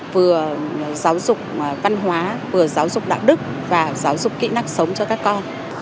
vừa giáo dục văn hóa vừa giáo dục đạo đức và giáo dục kỹ năng sống cho các con